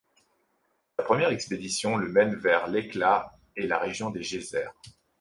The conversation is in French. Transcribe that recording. Sa première expédition le mène vers l'Hekla et la région des geysers.